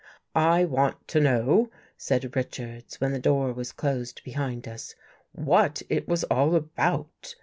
" I want to know," said Richards, when the door was closed behind us, "what it was all about?